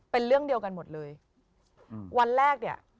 เป็นเรื่องเดียวกันหมดเลยอืมวันแรกเนี่ย